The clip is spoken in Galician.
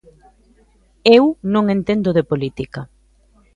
Eu non entendo de política.